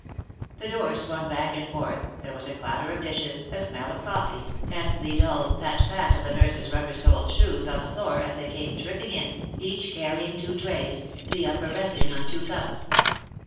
The doors swung back and forth, there was a clatter of dishes, a smell of coffee, and the dull pat pat of the nurses' rubber soled shoes on the floor as they came tripping in, each carrying two trays, the upper resting on two cups.